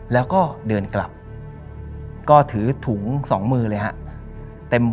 แล้วก็เดินกลับก็ถือถุงสองมือเลยฮะ